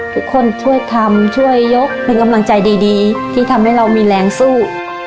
ทุกคนช่วยทำช่วยยกเป็นกำลังใจดีที่ทำให้เรามีแรงสู้